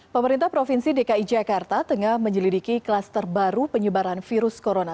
pemerintah provinsi dki jakarta tengah menyelidiki kluster baru penyebaran virus corona